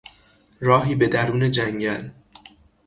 راهی به درون جنگل